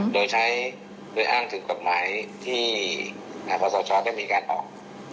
โดยใช้โดยอ้างถึงกฎหมายที่หากว่าสาวช้าจะมีการออก